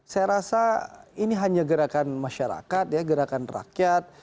saya rasa ini hanya gerakan masyarakat ya gerakan rakyat